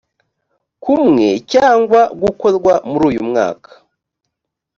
kumwe cyangwa gukorwa muruyumwaka